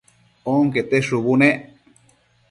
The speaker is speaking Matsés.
onquete shubu nec